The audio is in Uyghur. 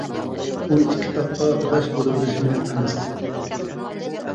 ئون ئىككى تاغقا باش بولۇۋېلىشمۇ ئەمەس.